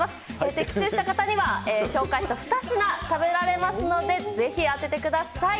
的中した方には、紹介した２品食べられますので、ぜひ当ててください。